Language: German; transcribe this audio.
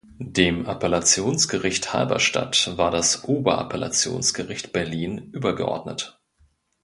Dem Appellationsgericht Halberstadt war das Oberappellationsgericht Berlin übergeordnet.